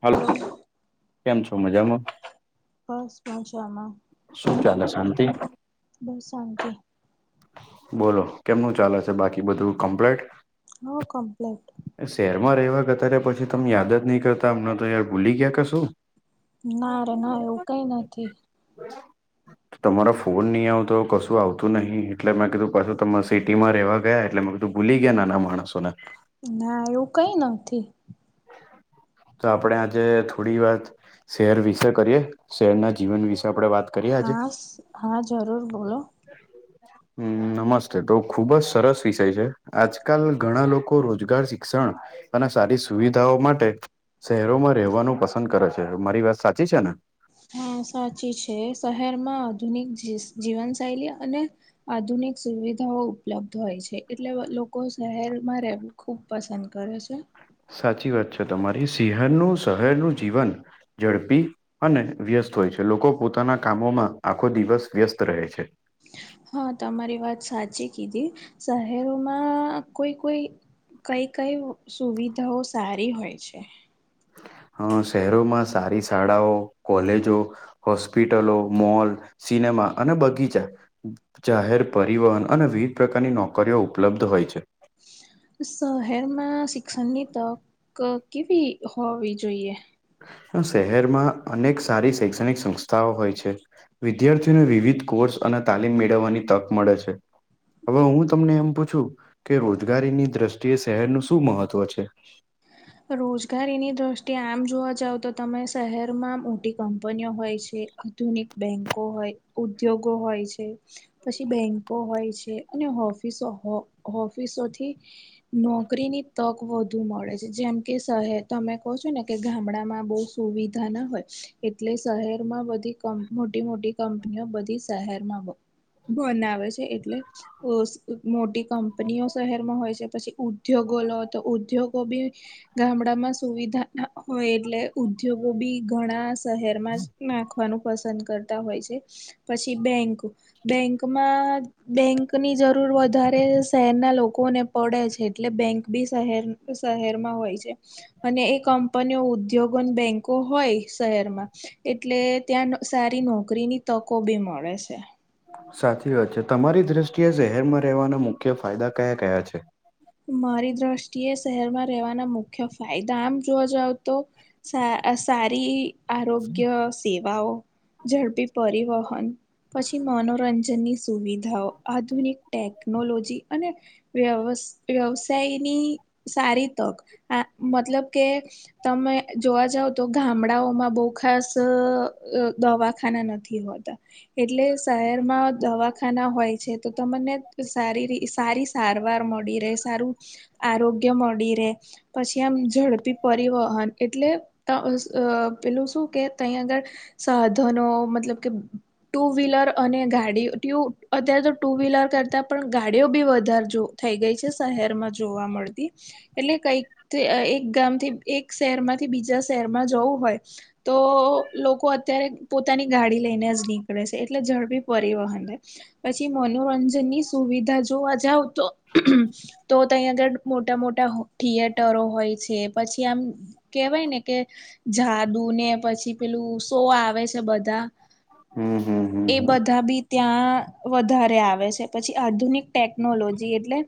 હાલ કેમ છો? મજામાં બસ મજા મા શું ચાલે શાંતિ? બસ શાંતિ બોલો કેમનું ચાલે છે? બાકી બધું કમ્પ્લેટ હોવ કમપ્લીટ એ શહેરમાં રહેવા હતા્યારે પછી તમે યાદ જ નહીં કરતા? અમને તો યાર ભૂલી ગયા કે શું? ના રે ના એવું કઈ નથી. અચ્છા તમારા ફોન નહી આવતો, કશું આવતું નહી? એટલે મેં કીધું પાછું તમે સિટી માં રેવા ગયા એટલે તો તમે ભૂલી ગયા, નાના માણસો ને ના એવું કઈ નથી. તો આપણે આજે થોડી વાત શહેર વિશે કરીએ, શહેરના જીવન વિશે આપણે વાત કરીએ આજે હા હા જરૂર બોલો [unintelligible] હમ નમસ્તે તો ખુબ જ સરસ વિષય છે, આજકાલ ઘણા લોકો રોજગાર શિક્ષણ અને સારી સુવિધાઓ માટે શહેરોમાં રહેવાનું પસંદ કરે છે, મારી વાત સાચી છે ને હા સાચી છે, શહેરમાં આધુનિક જીવન શૈલી અને આધુનિક સુવિધાઓ ઉપલબ્ધ હોય છે, એટલે લોકો શહેરમાં રહેવું ખૂબ પસંદ કરે છે. સાચી વાત છે. તમારી શહેરનું જીવન ઝડપી અને વ્યસ્ત હોય છે. લોકો પોતાના કામોમાં આખો દિવસ વ્યસ્ત રહે છે. હા તમારી વાત સાચી કીધી શહેરોમાં કોઈ કોઈ કઈ કઈ સુવિધાઓ સારી હોય છે. હ શહેરોમાં સારી શાળાઓ, કોલેજો હોસ્પિટલો, મોલ, સિનેમા, અને બગીચા. જાહેર પરિવહન અને વિવિધ પ્રકારની નોકરીઓ ઉપલબ્ધ હોય છે. શહેરમાં શિક્ષણની તક કેવી હોવી જોઈએ શહેરમાં અનેક સારી શૈક્ષણિક સંસ્થાઓ હોય છે. વિદ્યાર્થીઓને વિવિધ કોર્સ અને તાલીમ મેળવવાની તક મળે છે. હવે હું તમને એમ પૂછું કે રોજગારીની દ્રષ્ટિએ શહેરનું શું મહત્વ છે. રોજગારીની દ્રષ્ટિએ આમ જોવા જાવ તો તમે શહેરમાં મોટી કંપનીઓ હોય છે. આધુનિક બેંકો હોય ઉદ્યોગો હોય છે. પછી બેન્કો હોય છે અને ઓફિસો ઓફિસોથી નોકરીની તક વધુ મળે છે. જેમ કે શહેર તમે કહો છો ને કે ગામડામાં બહ સુવિધા ના હોય એટલે શહેરમાં બધી મોટી મોટી કંપનીઓ બધી શહેરમાં બનાવે છે એટલે મોટી કંપનીઓ શહેરમાં હોય છે પછી ઉદ્યોગો લો તો ઉદ્યોગો બી ગામડા માં સુવિધા હોય એટલે ઉદ્યોગો બી ઘણા- શહેર માં જ નાખવાનું પસંદ કરતા હોય છે પછી બેંક- બેંકમાં- બેંકની જરૂર વધારે શહેરના લોકોને પડે છે એટલે બેંક બી શહેર શહેર- માં હોય છે અને એ કંપનીઓ ઉદ્યોગો ને બેન્કો હોય શહેરમાં- એટલે ત્યાં સારી નોકરીની તકો બી મળે છે. સાચી વાત છે તમારી દ્રષ્ટિએ શહેરમાં રહેવાના મુખ્ય ફાયદા કયા કયા છે. મારી દ્રષ્ટિએ શહેરમાં રહેવાના મુખ્ય ફાયદા આમ જોવા જાવ તો- સારી આરોગ્ય સેવાઓ ઝડપી પરિવહન- પછી મનોરંજનની સુવિધાઓ આધુનિક ટેકનોલોજી અને- વ્યવ વ્યવસાયની સારી તક આ મતલબ કે- તમે- જોવા જાવ તો ગામડાઓમાં બહુ ખાસ દવાખાના નથી હોતા- એટલે શહેરમાં દવાખાના હોય છે તો તમને સારી ર સારી- સારવાર મળી રહે સારું- આરોગ્ય મળી રે પછી આમ ઝડપી પરિવહન એટલે- અ પેલું શું કે તહીં આગળ સાધનો મતલબ કે- ટુ વ્હીલર અને ગાડી ટુ અત્યારે તો ટુ વ્હીલર કરતા- પણ ગાડીઓ બી વધારે જો થઈ ગઈ છે શહેરમાં જોવા મળતી- એટલે કઈક એક ગામથી એક શહેરમાંથી બીજા શહેરમાં જવું હોય- તો લોકો અત્યારે પોતાની ગાડી લઈને જ નીકળે- એટલે ઝડપી પરિવહન પછી મનોરંજનની સુવિધા જોવા જાવ તો- તો તહીં આગળ મોટા મોટા થિયેટરો હોય છે પછી- ત્યાં આમ કેહેવાય ને કે- જાદુ ને પછી પેલું સો આવે છે બધા- હમ હમ હમ એ હમ બધા બી- ત્યાં વધારે આવે છે પછી આધુનિક ટેકનોલોજી એટલે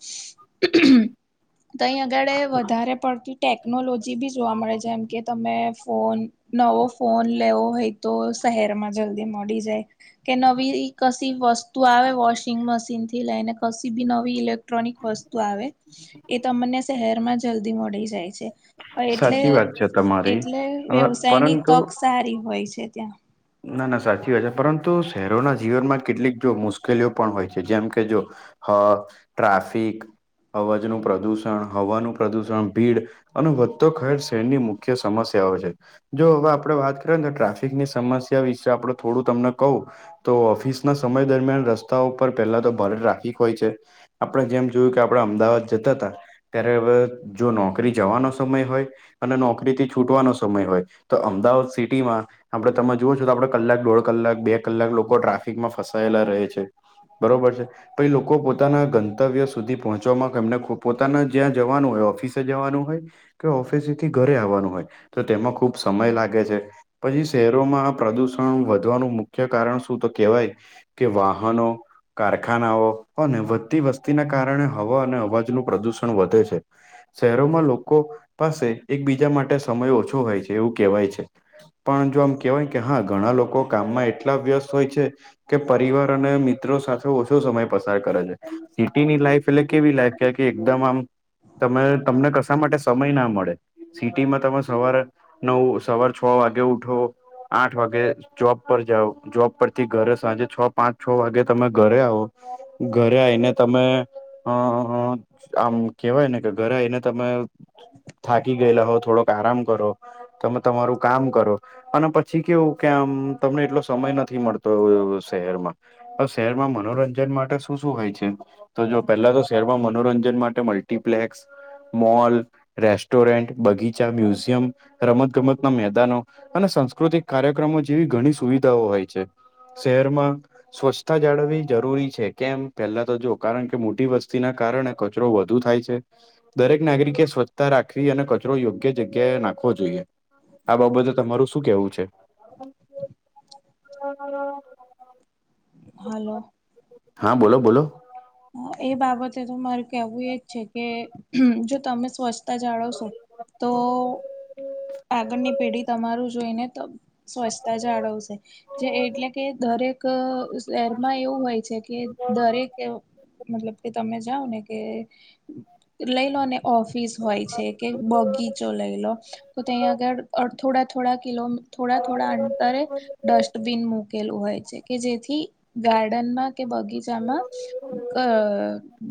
- તેંય આગળે વધારે પડતી - ટેકનોલોજી બી જોવા મળે જેમ કે તમે ફોન- નવો ફોન લેવો હોય તો શહેર માં જલ્દી મડી જાય- કે નવી કશી વસ્તુ આવે વોશિંગ મશીન થી લઈને કશી બી નવી ઇલેક્ટ્રોનિક વસ- તું આવે એ તમને શહેર માં જલ્દી મળી જાય છે. એટલે સાચી વાત છે તમારી. એટલે હવે વ્યવસાયની પરંતુ તક સારી હોય છે ત્યાં- ના ના સાચી વાત છે. પરંતુ શહેરોના જીવનમાં કેટલીક જો મુશ્કેલીઓ પણ હોય છે જેમ કે જો હ, ટ્રાફિક અવાજનું પ્રદુષણ, હવાનું પ્રદુષણ, ભીડ અને તો ખેર શહેરની મુખ્ય સમસ્યાઓ છે. જો હવે, આપણે વાત કરીએને, ટ્રાફિકની સમસ્યા વિશે આપણે થોડું તમને કહું. તો ઓફિસના સમય દરમિયાન રસ્તા ઉપર પહેલા તો ભારે ટ્રાફિક હોય છે. આપણે જેમ જોયું કે આપણે અમદાવાદ જતા તા, ત્યારે હવે જો નોકરી જવાનો સમય હોય અને નોકરીથી છૂટવાનો સમય હોય, તો અમદાવાદ સિટીમાં આપણે તમે જોઓ છો, તો આપણે દોઢ કલાક, બે કલાક લોકો ટ્રાફિકમાં ફસાયેલા રહે છે. બરોબર છે. પય લોકો પોતાના ગંતવ્ય સુધી પહોંચવામાં કેમને પોતાના જ્યાં જવાનું હોય, ઓફિસ તે જવાનું હોય, કે ઓફિસથી ઘરે આવવાનું હોય, તો તેમાં ખુબ સમય લાગે છે. પણ જે શહેરોમાં પ્રદુષણ વધવાનું મુખ્ય કારણ શું? તો કેહેવાય કે વાહનો કારખાનાઓ અને વધતી વસ્તીના કારણે હવા અને અવાજનું પ્રદુષણ વધે છે. શહેરોમાં લોકો પાસે એકબીજા માટે સમય ઓછો હોય છે, એવું કહેવાય છે. પણ જો આમ કેવાય કે હા, ઘણા લોકો કામમાં એટલા વ્યસ્ત હોય છે. કે પરિવાર અને મિત્રો સાથે ઓછો સમય પસાર કરે છે. સિટીની લાઈફ એટલે કેવી લાઈફ કે એકદમ આમ તમે, તમને કશા માટે સમયના મ મળે. સિટીમાં તમે સવારે નવ, સવાર છ વાગે ઉઠો. આઠ વાગે જોબ પર જાઓ. જોબ પરથી ઘરે સાંજે છ, પાંચ છ વાગે તમે ઘરે આવો. ઘરે આય ને તમે હ હ આમ કેવાય ને, કે ઘરે આયને તમે થાકી ગયેલા હોય, થોડોક આરામ કરો. તમે તમારું કામ કરો. અને પછી કેવું કે આમ તમને એટલો સમય નથી મળતો એવું એવું શહેરમાં. તો શહેરમાં મનોરંજન માટે શું શું હોય છે? તો જો પહેલા તો શહેરમાં મનોરંજન માટે મલ્ટિપ્લેક્સ, મોલ રેસ્ટોરેન્ટ, બગીચા, મ્યુઝિયમ, રમતગમતના મેદાનો અને સંસ્કૃતિક કાર્યક્રમો જેવી ઘણી સુવિધાઓ હોય છે. શહેરમાં સ્વચ્છતા જાળવી. જરૂરી છે. કેમ પહેલા તો જો કારણ કે મોટી વસ્તીના કારણે, કચરો વધુ થાય છે. દરેક નાગરિકે સ્વચ્છ રાખવી અને કચરો યોગ્ય જગ્યાએ નાખવો જોઈએ. આ બાબતે તમારું શું કેવું છે? [inaudible] હમ. હલો. હા, બોલો બોલો? એ બાબતે તો મારે કેવું એજ છે કે જો તમે સ્વછ તા જાળવશો તો આગળની પેઢી તમારું જોઈને, તો સ્વચ્છતા જાળવશે. જે એટલે કે દરેક ક શહેરમાં એવું હોય છે, કે દરેક મતલબ કે તમે જાવને કે લઈલોને. ઓફિસ હોય છે, કે બગીચો લઈલો તો, ત્યાં આગળ થોડા થોડા કિલો, થોડા થોડા અંતરે ડસ્ટ બિન મૂકેલું હોય છે કે જેથી ગાર્ડનમાં કે બગીચામાં અ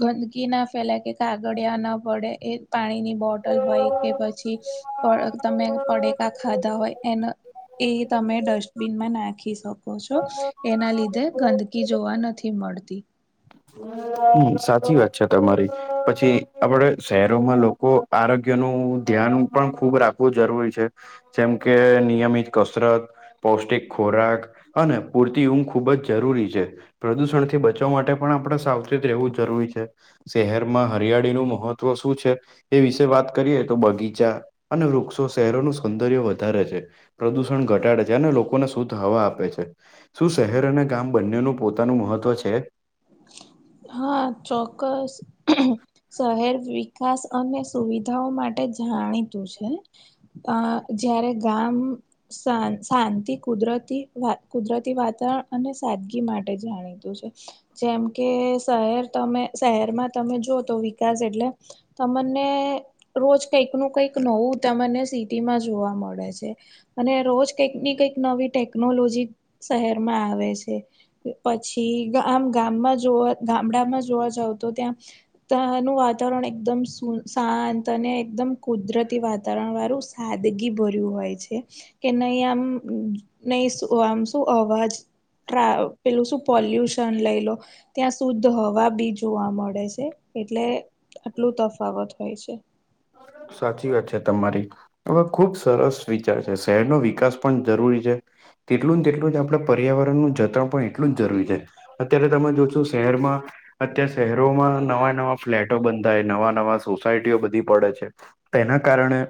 ગંદકી ના ફેલાય કે કાગળિયા ના પડે. એ પાણીની બોટલ હોય કે પછી તમે પડેકા ખાધા હોય. એનો એ તમે ડસ્ટબિનમાં નાખી શકો છો? એના લીધે ગંદકી જોવા નથી મળતી. સાચી વાત છે તમારી પછી આપડે શહેરોમાં લોકો આરોગ્ય નુ ધ્યાન પણ ખૂબ રાખવું જરૂરી છે. જેમ કે નિયમિત કસરત પૌષ્ટિક ખોરાક. અને પૂરતી ઊંઘ ખૂબ જ જરૂરી છે પ્રદૂષણ થી બચવા માટે પણ આપણે સાવ રહેવું જરૂરી છે, શહેરમાં હરિયાળી નું મહત્વ શું છે. એ વિશે વાત કરીએ તો બગીચા અને વૃક્ષો શહેરોનું સૌંદર્ય વધારે છે. પ્રદુષણ ઘટાડે છે, અને લોકોને શુદ્ધ હવા આપે છે. શું શહેર અને ગામ બંનેનું પોતાનું મહત્વ છે? હા.. ચોક્કસ... હમ્મ શહેર વિકાસ અને સુવિધાઓ માટે જાણીતું છે. અ... જયારે ગામ સા શાંતિ કુદરતી કુદરતી વાતાવરણ અને સાદગી માટે જાણીતું છે. જેમ કે શહેર તમે શહેરમાં તમે જો તો વિકાસ એટલે તમને રોજ કંઈકનું કંઈક નવું તમને સિટીમાં જોવા મળે છે. અને રોજ કંઈક ને કંઈક નવી ટેકનોલોજી શહેરમાં આવે છે. પછી આમ ગામમાં જોવા ગામડામાં જોવા જાવ તો ત્યાં ત્યાનું વાતાવરણ એકદમ શુદ્ધ. શાંત અને એકદમ કુદરતી વાતાવરણવાળું સાદગીભર્યું હોય છે. કે નહી આમ... નહી શું.. આમશું.. અવાજ ટ્રા પેલું શું પોલ્યુશન લઈ લો ત્યાં શુદ્ધ હવા બી જોવા મળે છે એટલે આટલું તફાવત હોય છે. સાચી વાત છે તમારી. હવે ખુબ સરસ વિચાર છે. શહેરનો વિકાસ પણ જરૂરી છે. તેટલું ને તેટલું જ આપણે પર્યાવરણનું જતન પણ એટલું જ જરૂરી છે. અત્યારે તમે જોવ છો શહેરમાં અત્યારે શહેરોમાં નવા-નવા ફ્લેટો બંધાય નવા-નવા સોસાયટીઓ બધી પડે છે. તેના કારણે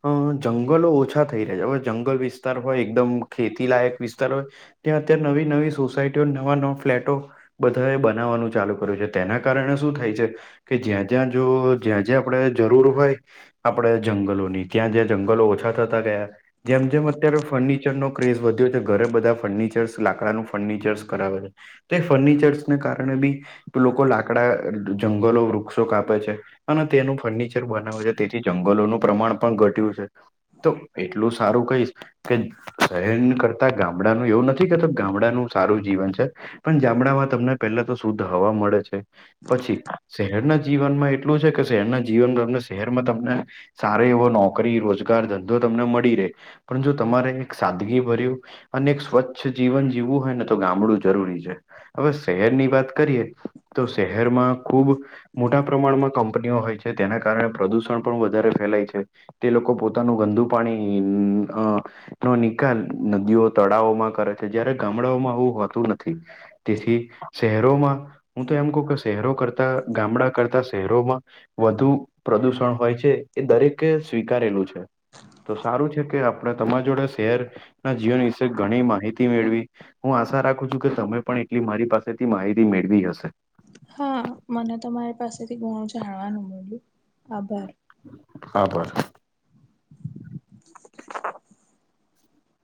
હ... જંગલો ઓછા થઈ રહ્યા. હવે જંગલ વિસ્તાર હોય એકદમ ખેતીલાયક વિસ્તાર હોયને ત્યાં અત્યારે નવી-નવી સોસાયટીઓ નવા-નવા ફ્લેટો બધા એ બનાવવાનું ચાલુ કર્યું છે તેના કારણે શું થાય છે કે જ્યાં-જ્યાં જો જ્યાં જે આપણે જરૂર હોય આપણે જંગલોની ત્યાં જ્યાં જંગલો ઓછા થતા ગયા. જેમ-જેમ અત્યારે ફર્નિચરનો ક્રેઝ વધ્યો તો ઘરે બધા ફર્નિચર્સ લાકડાનું ફર્નિચર્સ કરાવે છે. તે ફર્નિચર્સને કારણે બી લોકો લાકડા જંગલો, વૃક્ષો કાપે છે. અને તેનું ફર્નિચર બનાવે છે તેથી જંગલોનું પ્રમાણ પણ ઘટ્યું છે. તો એટલું સારું કઈશ કે શહેર કરતા ગામડાનું એવું નથી કેતો ગામડાનું સારૂ જીવન છે પણ ઞામડામાં તમને પહેલા તો શુદ્ધ હવા મળે છે, પછી શહેરના જીવનમાં એટલુ એટલું છે કે શહેરના જીવનમાં શહેરમાં તમને સારો એવો નોકરી, રોજગાર-ધંધો તમને મળી રહે, પણ જો તમારે એક સાદગીભર્યું અને એક સ્વચ્છ જીવન જીવવું હોય ને તો ગામડું જરૂરી છે. હવે શહેરની વાત કરીએ તો શહેરમાં ખુબ મોટા પ્રમાણમાં કંપનીઓ હોય છે તેના કારણે પ્રદુષણ પણ વધારે ફેલાય છે. તે લોકો પોતાનું ગંદુ પાણી અ.... નો નિકાલ નદીઓ, તળાવોમાં કરે છે જયારે ગામડાઓમાં આવું હોતું નથી. તેથી શહેરોમાં હું તો એમ કહુ કે શહેરો કરતા ગામડા કરતા શહેરોમાં વધુ પ્રદુષણ હોય છે એ દરેકે સ્વીકારેલું છે. તો સારું છે કે આપ તમારી જોડે શહેરના જીવન વિશે ઘણી માહિતી મેળવી હું આશા રાખું છું કે તમે પણ એટલી મારી પાસેથી માહિતી મેળવી હશે. હા, મને તમારી પાસેથી ઘણું જાણવાનું મળ્યું. આભાર! આભાર. [inaudible]